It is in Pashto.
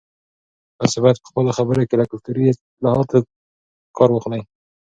تاسي باید په خپلو خبرو کې له کلتوري اصطلاحاتو کار واخلئ.